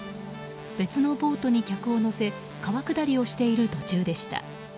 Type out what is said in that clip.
別のボートに客を乗せ川下りをしている途中でした。